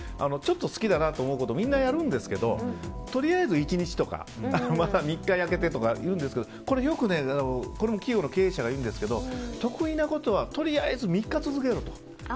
ちょっと好きだと思ったことはみんなやるんですけどとりあえず１日とか３日空けてとか言うんですけどよくこれも企業の経営者が言うんですけど得意なことはとりあえず３日続けろと。